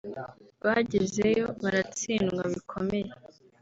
Bagezeyo baratsindwa bikomeye